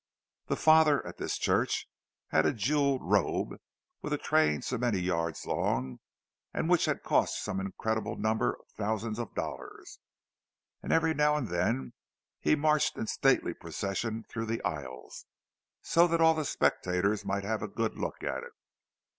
The "father" at this church had a jewelled robe with a train so many yards long, and which had cost some incredible number of thousands of dollars; and every now and then he marched in a stately procession through the aisles, so that all the spectators might have a good look at it.